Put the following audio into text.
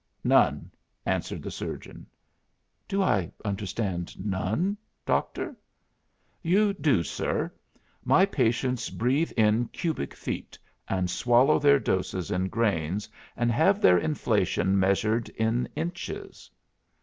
"None," answered the surgeon. "Do I understand none, Doctor?" "You do, sir. My patients breathe in cubic feet, and swallow their doses in grains, and have their inflation measured in inches."